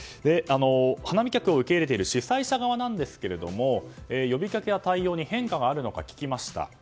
花見客を受け入れている主催者側なんですが呼びかけや対応に変化があるのか聞きました。